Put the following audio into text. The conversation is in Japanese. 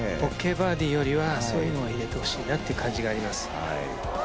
バーディーよりはそういうのを入れてほしい感じがあります。